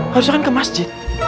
harusnya kan ke masjid